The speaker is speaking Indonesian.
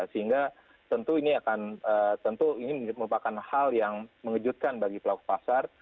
sehingga tentu ini akan tentu ini merupakan hal yang mengejutkan bagi pelaku pasar